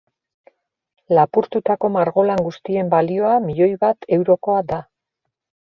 Lapurtutako margolan guztien balioa milioi bat eurokoa da.